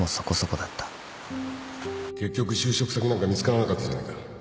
結局就職先なんか見つからなかったじゃないか